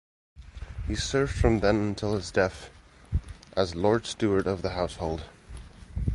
He served from then until his death as Lord Steward of the Household.